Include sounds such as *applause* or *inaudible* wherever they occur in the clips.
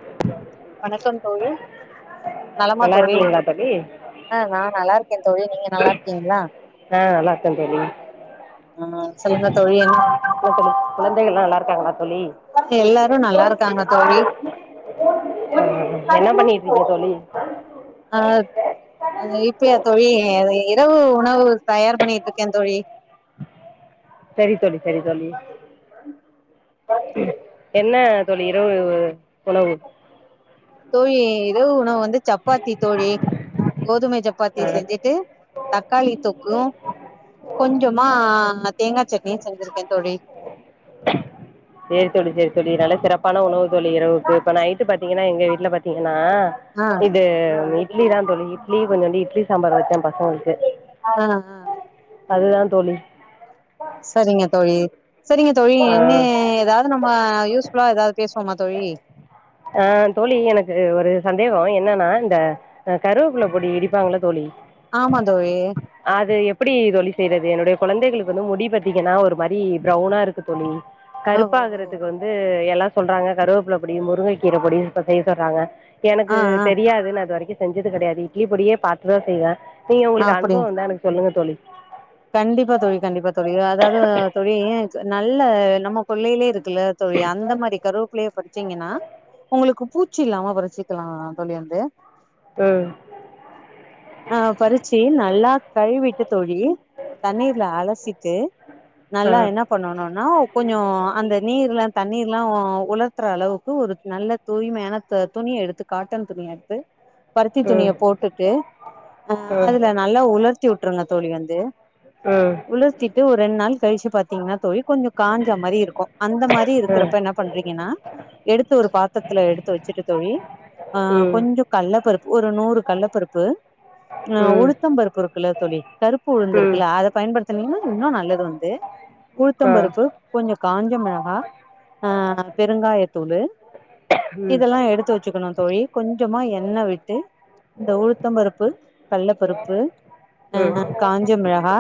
*inaudible* வணக்கம் தோழி நலமா நல்லா தோழி இருக்கீங்களா தோழி ஆ நான் நல்லாருக் கே தோழி நீங்க நல்லா இருக்கீங்களா ஆ நல்லா இருக்கேன் தோழி ஆமா சொல்லுங்க தோழி என்ன ஹோட்டலு குழந்தைகள்ல்லா நல்லா இருக்காங்களா தோழி எல்லாரு நல்லா இருக்காங்க தோழி என்ன பண்ணிட்ருக்கீங்க தோழி நல்லா இருக்கே இப்பையா தோழி இரவு உணவு தயார் பண்ணிட்டு இருக்கே தோழி சரி தோழி சரி தோழி என்ன தோழி இரவு உணவு தோழி இரவு உணவு வந்து சப்பாத்தி தோழி கோதுமை சப்பாத்தி ஆ செஞ்சு ட்டு தக்காளி தொக்கும் கொஞ்சமா தேங்காய் சட்னியும் செஞ்சிருக்கே தோழி *inaudible* சேரி தோழி சேரி தோழி நல்ல சிறப்பான உணவு தோழி இரவுக்கு இப்ப நைட்டு பாத்தீங்கன்னா எங்க வீட்டுல பாத்தீங்கனா ஆ இது இட்லி தா தோழி இட்லி கொஞ்சோ இட்லி சாம்பார் வெச்ச பசங்களுக்கு ஆ அதுதான் தோழி சரிங்க தோழி சரிங்க தோழி ஆ என்ன ஏதாவது நம்ம யூஸ்ஃபுல்லா ஏதாவது பேசுவோமா தோழி ஆ தோழி எனக்கு ஒரு சந்தேகம் என்னன்னா இந்த இந்த கருவேப்பில பொடி இடிப்பாங்கள தோழி ஆமா தோழி அது எப்டி தோழி செய்யிறது என்னுடைய குழந்தைகளுக்கு வந்து முடி பாத்தீங்கன்னா ஒரு மாரி ப்ரௌனா இருக்கு தோழி ஓ கருப்பா ஓஹோ ஆகுறதுக்கு வந்து எல்லாம் சொல்றாங்க கருவேப்பில பொடி முருங்ககீ கீர பொடி இப்ப செய்ய சொல்றாங்க ஆ எனக்கு ஆ தெரியாது நா இது வரைக்கும் செஞ்சது கெடையாது இட்லி பொடியே பாத்துதான் செய்வேன் நீங்க உங்களுக்கு அப்டி அனுபவம் இருந்தா எனக்கு சொல்லுங்க தோழி கண்டிப்பா தோழி கண்டிப்பா தோழி அதாவது தோழி ஏன் நல்ல நம்ம கொள்ளையிலே இருக்குல்ல தோழி அந்த மாரி கருவேப்பிள்ளைய பறிச்சீங்கன்னா உங்களுக்கு பூச் ச்சி இல்லாம பறிச்சிக்கலா தோழி வந்து ம் ஆ பறிச்சு நல்லா கழுவிட்டு தோழி தண்ணீர்ல அலசிட்டு ஆ நல்லா என்னா பண்ணனும்னா கொஞ்ச அந்த நீர்ல தண்ணீர்ல்லா உலர்த்தற அளவுக்கு ஒரு நல்ல தூய்மையான துணியெடுத்து காட்டன் துணியெடுத்து பருத்தி துணிய ம் ம் போட்டுட்டு ஆ ம் அதுல நல்லா உலர்த்திவுட்ருங்க தோழி வந்து ம் உலர்த்திட்டு ஒரு ரெண் நாள் கழிச்சு பாத்தீங்ன்னா தோழி கொஞ்ச காஞ்சா மாரி இருக்கு அந்த மாரி ம் ம் ஆ இருக்கிறப்ப என்ன பண்றீங்கன்னா எடுத்து ஒரு பாத்திரத்துல எடுத்து வச்சுட்டு தோழி அ ம் கொஞ்ச கல்லப்பருப்பு ஒரு நூறு கல்லப்பருப்பு ஆ ம் உளுத்தம்பருப்பு இருக்குல்ல தோழி கருப்பு உளுந்துருக் அத பயன்படுத்தினிங்கன இன்னு நல்லது வந்து உலுத்தம்பருப்பு கொஞ்ச காஞ்ச மெளகா ஆ பெருங்காயத்தூளு இதெல்லா எடுத்து வச்சுக்கணு தோழி கொஞ்சமா எண்ண விட்டு இந்த உலுத்தம் பருப்பு கல்ல பருப்பு அ காஞ்ச மெளகா,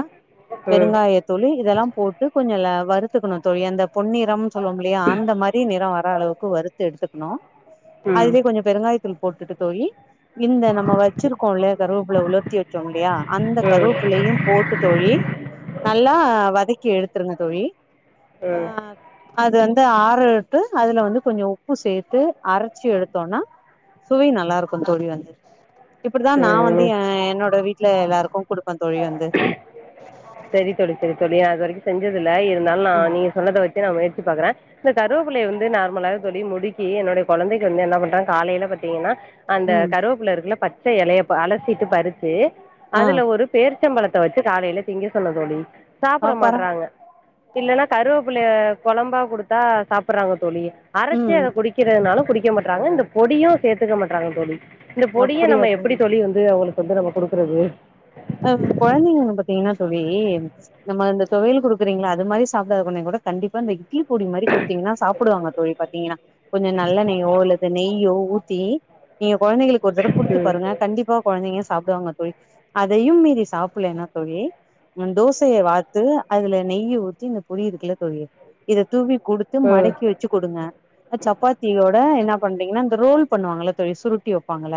பெருங்காய தூளு இதெல்லா போட்டு கொஞ்ச வருத்துக்கணு தோழி அந்த பொன்னிறம் சொல்லுவோ இல்லையா அந்த மாரி நிற வர அளவுக்கு வருத்து எடுத்துக்கணு ம் அதுலே கொஞ்ச பெருங்காய தூள் போட்டுட்டு தோழி இந்த நம்ம வச்சிருக்கோ இல்லயா கருவப்புல உலர்த்தி வச்சோ இல்லையா அந்த ம் கருவப்புல்லயு போட்டு தோழி நல்லா வதக்கி எடுத்துருங்க தோழி ஆ அது வந்து ஆற விட்டு அதுல வந்து கொஞ்ச உப்பு சேத்து அரச்சு எடுத்தோம்னா சுவை நல்லார்க்கு தோழி வந்து இப்டிதா நா ம் ம் வந்து அ என்னோட வீட்ல எல்லாருக்கு குடுப்பே தோழி வந்து செரி தோழி செரி தோழி நா இது வரைக்கு செஞ்சதில்ல இருந்தாலு நா ம் நீங்க சொன்னத வெச்சு நா முயற்சி பாக்குறே இந்த கருவேப்பிளைய வந்து நார்மலாவே தோழி முடிக்கி என்னோடைய கொழந்தைக்கு வந்து என்ன பண்ற காலைல பாத்தீங்கன்னா அந்த ம் கருவேப்ல இருக்குல்ல பச்ச எலைய அலசிட்டு பறிச்சி ஆ அதுல ஒரு பேர்ச்சம்பழத்த வச்சு காலைல திங்க சொன்னே தோழி சாப்புட பாப்பாரா மாட்றாங்க இல்லன்னா கருவபுல்லைய கொழம்பா குடுத் தா சாப்டுறாங்க தோழி அரைச்சு ம் அத குடிக்கிறதுனாலு குடிக்க மாட் றாங்க இந்த பொடியு சேத்துக்க மாட்றாங்க தோழி இந்த பொடிய நம்ம எப்புடி தோழி வந்து அவுங்களுக்கு க்கு வந்து நம்ப குடுக்குறது அ கொழந்தைங்கள பாத்தீங்கன்னா தோழி நம்ம இந்த தொவையல் குடுக்குறீங்ள்ள அது மாரி சாப்டாத கொழந்தைங்க கூட கண்டிப்பா இந்த இட்லி பொடி மாரி குடுத்தீங்கான சாப்டுவாங்க தோழி பாத்தீங்கன்னா கொஞ்ச நல்லெண்ணைய்யோ அல்லது நெய்யோ ஊத்தி நீங்க கொழந்தைங்களுக்கு ஒரு தடவ குடுத்து ம் பாருங்க கண்டிப்பா கொழந்தைங்க சாப்டுவாங்க தோழி அதையும் மீறி சாப்பலேன்னா தோழி ம் தோசைய வாத்து அதுல நெய் ஊத்தி இந்த பொடி இருக்குல தோழி இத தூவி குடுத் து ம் மடக்கி வச் சு குடுங்க சப்பாத்தியோட என்னா பண்றீங்ன்னா இந்த ரோல் பண்ணுவாங்கள்ள தோழி சுருட்டி வப்பாங்கள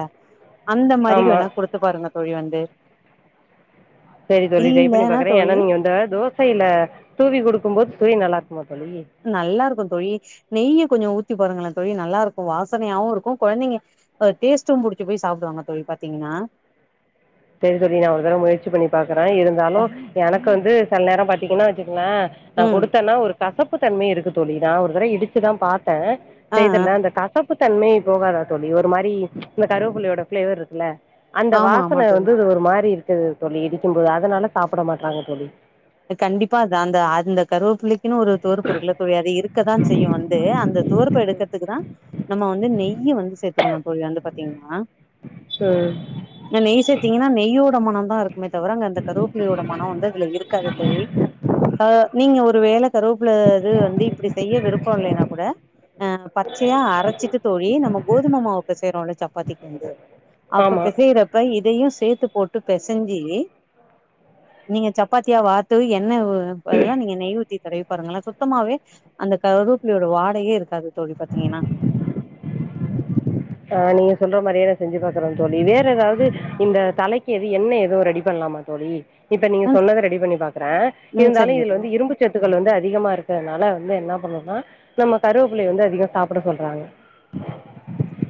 அந்த மாரி ஆமாம் வேணா குடுத்து பாருங்க தோழி வந்து சரி தோழி ட்ரை பண்ணி இல்லன்னா பாக்குறே ஏன்னா தோழி நீங்க வந்து தோசைல தூவி குடுக்கும்போது சுவை நல்லார்க்குமா தோழி நல்லாருக்கும் தோழி நெய்ய கொஞ்ச ஊத்தி பாருங்களே தோழி நல்லாருக்கு வாசனையாவு இருக்கு கொழந்தைங்க அ டேஸ்ட்டு புடிச்சு போய் சாப்டுவாங்க தோழி பாத்தீங்கன்னா செரி தோழி நா ஒரு தடவ முயற்சி பண்ணி பாக்குறே இருந்தாலு எனக்கு வந்து செல நேரம் பா த்தீங்கன்னா வச்சுக்கங்லே நா ம் குடுத்தேன்னா ஒரு கசப்பு தன்மை இருக்கு தோழி நா ஒரு தர இடிச்சுதா பாத்த ஆ ஆ செய்தல அந்த கசப் உப்பு தன்மை போகாதா தோழி ஒரு மாரி ம்ச் இந்த கருவேப்புலையோட பிளேவர்ருக்குல்ல அந்த வா ஆமா ஆமா தோழி ஸ் ஒரு மாரி இருக்குது தோழி இடிக்கும்போது அதனால சாப்ட மாட்றாங்க தோழி அ கண்டிப்பா அது அந்த அந்த கருவேப்புள்ளைக் கினு ஒரு துவர்ப்பு இருக்குல்ல தோழி அது இருக்கதா செய்யு வந்து அந்த துவர்ப் பு எடுக்கறதுக்கு தா நம்ம வந்து நெய்ய வந்து சேத் துக்கணு தோழி வந்து பாத்தீங்கன்னா ம் இந்த நெய் சேதிங்கன்னா நெய்யோட மனோ தா இருக்குமே தவிர அங்க அந்த கருப்பிள்ளையோட மனம் வந்து அதுல இருக்காது தோழி அ நீங்க ஒரு வேல கருப்புல இது வந்து இப்டி செய்ய விருப்போ இல்லைனா கூட அ பச்சையா அரச்சிட்டு தோழி நம்ம கோதுமமாவு பெசயுறோம்ல சப்பாத்திக்கு வந்து அப்ப ஆமாம் பெசைறப் ப இதையு சேத்து போட்டு பி பெசைஞ்சி நீங்க சப்பாத்தியா வாத் து எண்ணவ் அதெல்லா நீங்க நெய் உத் தி தடவி பாருங்களே சுத்தமாவே அந்த கருப்பிளையோட வாடையே இருக்காது தோழி பாத்தீங்கன்னா ஆ நீங்க சொல்ற மாரியே நா செஞ்சு பாக்குற தோழி வேற ஏதாவது இந்த தலைக் கு எது எண்ண ஏதோ ரெடி பண்ணலாமா தோழி இப்ப நீங்க ம் சொன்னத ரெடி பண்ணி பாக்கற ம் இருந்தாலு சரிங்க இது தோழி வந்து இரும்புச் சத்துக்கள் வந்து அதிகமா இருக்குறதுனால வந்து என்ன பண்ணுன்னா நம்ம கருவேப்பிள்ளைய வந்து அதிகோ சாப்ட சொல்றாங்க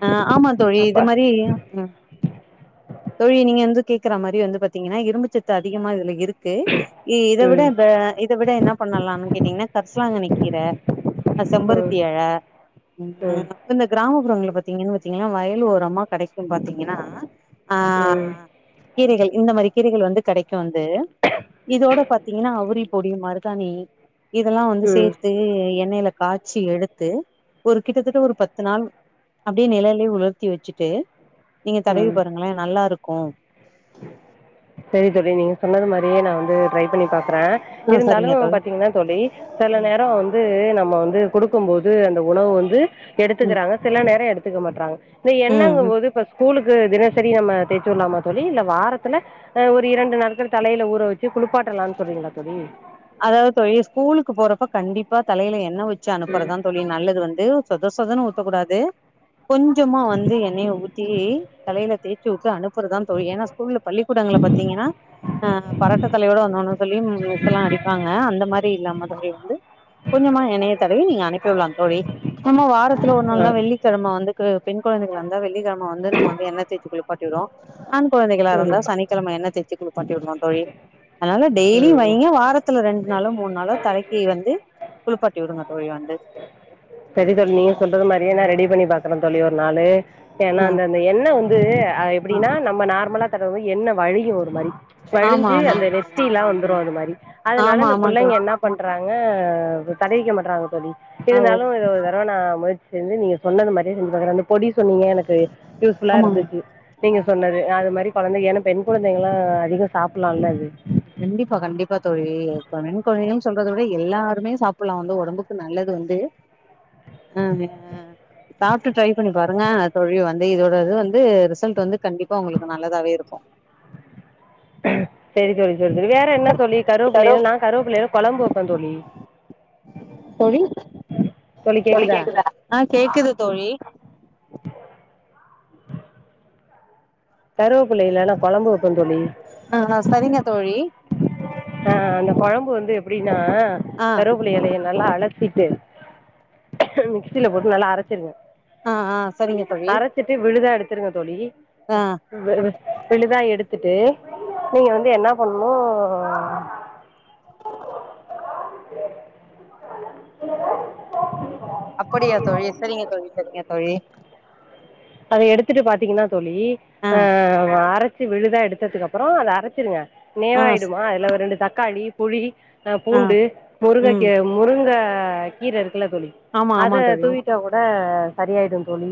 ஆ ஆமா தோழி இது அப்போ மாரி ம் தோழி நீங்க வந்துத் கேக்குற மாரி வந்து பாத்தீங்கன்னா இரும்புச்சத்து அதிகமா இதுல இருக்கு இ இத விட ம் வே த் இத விட என்ன பண்ணலாம்னு கேட்டீங்கன்னா கரிசலாங்கண்ணி கீர அ செம்பருத்தி ம் எல ம் இந்த கிராமப்புறங்கள பாத் தீங்கன் பாத்தீங்ளா வயல் ஓரமா கடைக்குன் பாத்தீங்கன்னா ஆ ம் கீரைகள் இந்த மாரி கீரைகள் வந்து கெடைக்கு வந்து இதோட பாத்தீங்கன்னா அவ்ரிப் பொடியு மருதாணி இதெல்லா வந்து ம் சேர்த்து து எண்ணெயில காய்ச்சி எடுத்து ஒரு கிட்டத்தட்ட ஒரு பத்து நாள் அப்டியே நெழல்லயே உலர்த்தி வச்சுட்டு நீங்க தடவி பாருங்களே நல்லா இருக்கு செரி தோழி நீங்க சொன்னது மாதிரியே நா வந்து ட்ரை பண்ணி பாக்குற ஆ இருந்தாலு சரிங்க தோழி பாத்தீங்கன்னா தோழி செல நேரோ வந்தூ நம்ம வந்து குடுக்கும் போது அந்த உணவு வந்து ம் எடுத்துக்கிறாங்க சில நேரோ எடுத்துக்க மாட்றாங்க இந்த ம் எண்ணங்கும் ம் போது பஸ் ஸ்கூலுக்கு தினசரி நம்ம தேச்சு வுட்லாமா தோழி இல்ல வாரத்துல ஆ ஒரு இரண்டு நாட்கள் தலைல ஊற வச் சு குளிப்பாட்டலாம்னு சொல்றீங்களா தோழி அதாவது தோழி ஸ்கூலுக்கு போறப்ப கண்டிப்பா தலயில என்ன வச்சு அனுப்புறதுதா தோழி நல்லது வந்து சொத் தோசதன்னு ஊத்தக்கூடாது கொஞ்சமா வந்து எண்ணெய ஊத்தி தலைல தேச்சு உட்டு அனுப்புறதா தோழி ஏன்னா ஸ்கூல்ல பள்ளிக்கூடங்கள்ல பாத்தீங்கன்னா ஆ பரட்டத்தலயோட வந்தோன்னு சொல்லி ம் மித்தல்லா அடிப் வாங்க அந்த மாரி இல்லாம தோழி வந்து கொஞ்சமா எண்ணய தடவி நீங்க அனுப்பிவில்லா தோழி நம்ம வாரத்துல ஒரு நாள்ல தா ஆ வெள்ளிக்கெழம வந்து கு பெண் கொழந்தைகளாருந்தா வெள்ளிக்கெழம வந்து நம்ம வந்து என்ன தேச்சு குளிப்பாட் டிறோ ஆண் குழந்தைகளா இருந்தா ம் சனிக்கிழம எண்ண தேச்சு குழுப்பாட்டி விடுனு தோழி அனால டெய்லி ம் ம் வைங்க வாரத் த்துல ரெண்ட்டு நாளோ மூண் நாளோ தலைக்கு வந்த குளுப்பாட்டி வுடுங்க தோழி வந்து சரி தோழி நீங்க சொல்றது மாரியே நா ரெடி பண்ணி பாக்குறே தோழி ஒரு நாளு ஏன்னா ஆ அந்த இந்த எண்ண வந்த அ எப்டினா நம்ம நார்மலா தடவுவ எண்ண வழியு ஒரு மாரி ஆமா வழிஞ்சு ஆமா அந்த நெத்திலா வந்துரு அது மாரி அதனால ஆமா இந்த ஆமா புள்ளைங்க தோழி என்னா பண்றாங்க தடவிக்க மாட்றாங்க தோழி ஆ ஓ இருந்தாலு இத ஒரு தரவ நா முயற்சி செஞ்சு நீங்க சொன்னது மாரியே செஞ்சு பாக்ரே இந்த பொடிஸ் சொன்னீங்க எனக்கு யூஸ் ஃபுல்லா ஆமாங்க இருந்துச்சு நீங்க சொன்னது அது மாரி கொழந்தகனா பெண் குழந்தைகளா அதிகொ சாப்லால்ல அது கண்டிப்பா கண்டிப்பா தோழி இப்ப பெண் கொழந்கள் சொல்றத விட எல்லாருமே சாப்புட்லா வந்து ஒடம்புக்கு நல்லது வந்து ஆ சாப்ட்டு ட்ரை பண்ணி பாருங்கா தோழி வந்து இதோட இது வந்த ரிசல்ட் வந்து கண்டிப்பா ஒங்களுக்கு நல்லதாவே இருக்கு செரி தோழி செரி செரி வே என்ன தோழி கருவப்புள்ளைல நா கருவப்புள்ளைல கொழம்பு வப்பே தோழி தோழி தோழி கேக்குதா ஆ கேக்குது தோழி கருவப்புள்ளைல நா கொழம்பு வப்பே தோழி ஆ ஆ சரிங்க தோழி ஆ அந்த கொழம்பு வந்து எப்டின்னா ஆ கருவ ப்புள எலைய நல்லா அலச்சிட்டு மிக்சில போட்டு நல்லா அரச்சிருங்க ஆ ஆ சரிங்க தோழி அரச்சிட்டு விழுதா எடுத்துருங்க தோழி ஆ வி விழுதா எடுத்துட்டு நீங்க வந்து என்னா பண்ணனு அப்படியா தோழி செரிங்க தோழி செரிங்க தோழி அத எடுத்துட்டு பாத்திங்கன்னா தோழி ஆ அரச்சு விழுதா எடுத்தத்துக்கப்பொறோ அத அரச்சிருங்க ஆ நேராயிடுமா அதுல ஒரு ரெண்டு தக்காளி புளி அ ஆ பூண்டு ம் முருங்கக்கீ முருங்க கீர இருக்குல தோழி ஆமா ஆமா அத தோழி தூவிட்டா கொட சரியாயிடு தோழி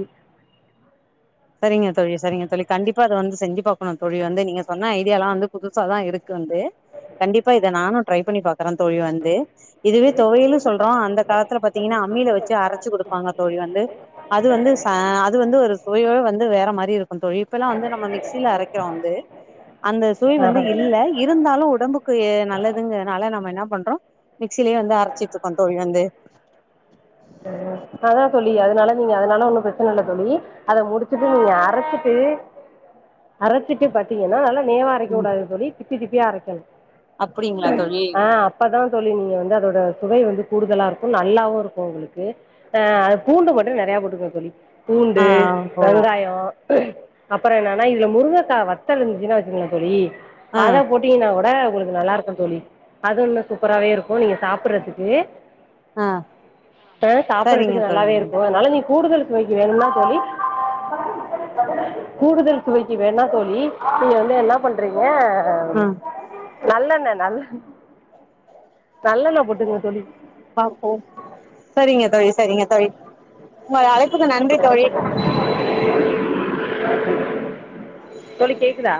செரிங்க தோழி செரிங்க தோழி கண்டிப்பா அத வந்து செஞ்சு பாக்கணு தோழி வந்து நீங்க சொன்ன ஐடியாலா வந்து புதுசா தா இருக்கு வந்து கண்டிப்பா இத நானு ட்ரை பண்ணி பாக் தரந் தோழி வந்து இதுவே தொவயலு சொல்றோ அந்த காலத்துல பாத்திங்கன்னா அம்மில வச்சு அரச்சு குடுப்பாங்க தோழி வந்து அது வந்து ச அது வந்து ஒரு தொலியோட வந்து வேற மாரி இருக்கு தோழி இப்பல்லா வந்து நம்ம மிக்சில அரைக்கிறோ வந்து அந்த சுவை வந்து ஆஹா. இல்ல இருந்தாலு உடம்பு க்கு நல்லதுங்குறனால நம்ம என்னா பண்றோ மிக்சிலயே வந்து அரச்சிட்டு இருக்கோ தோழி வந்து அதா தோழி அதுனால நீங்க அதனால ஒன்னு பிரச்சன இல்ல தோழி அத முடுச்சுட்டு நீங்க அரச்சிட்டு அரச் சுட்டு பாத்திங்கன்னா நல்லா நேவா அரைக்க ம் கூடாது தோழி திப்பி திப்பியா அரைக்கனு அப்டிங்களா தோழி அ அப்ப தா தோழி நீங்க வந்து அதோட சுவை வந்து கூடுதலா இருக்கு நல்லாவு இருக்கு உங்ளுக் கு அ பூண்டு மட்டு நெறைய போட்டுக்ங்க தோழி பூண்டு ஆ ஓ வெங்காயோ அப்பறொ என்னான இதுல முருங்கக்கா வத்தல் இருந்துச்ன்னா வச்சுக்ங்ளே தோழி ஆ அத போட்டீங்கனா ஒட ஒங்ளுக் நல்லாருக்கு தோழி அது இன்னு சூப்பரவே இருக்கு நீங்க சாப்புட்றதுக்கு அ ஆ சாப்புட்றதுக்கு நல்லாவே இருக்கு அதுனால நீ கூடுதல் இப்போதிக்கி வேணுனா தோழி கூடுதல் சுவைக்கி வேணா தோழி நீங்க வந்து என்னா பண்றீங்க ம் நல்லண்ணெ நல்ல நல்லண்ண போட்டுங்க தோழி பாப்போ செரிங்க தோழி செரிங்க தோழி உங்கள் அழைப்புக்கு நன்றி தோழி தோழி கேக்குதா